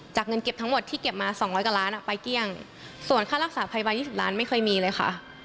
เงินเก็บทั้งหมดที่เก็บมา๒๐๐กว่าล้านไปเกลี้ยงส่วนค่ารักษาพยาบาล๒๐ล้านไม่เคยมีเลยค่ะ